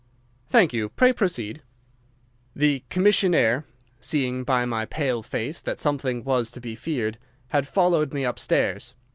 "Thank you. Pray proceed." "The commissionnaire, seeing by my pale face that something was to be feared, had followed me upstairs.